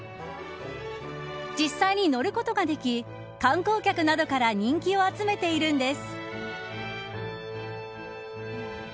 実際に乗ることができ観光客などから人気を集めているんです。